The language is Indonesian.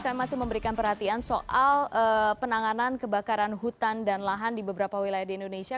saya masih memberikan perhatian soal penanganan kebakaran hutan dan lahan di beberapa wilayah di indonesia